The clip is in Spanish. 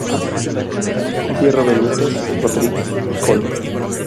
Fierro Benítez, Rodrigo y Col.